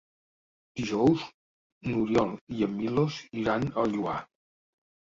Dijous n'Oriol i en Milos iran al Lloar.